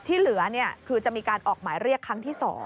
ที่เหลือคือจะมีการออกหมายเรียกครั้งที่๒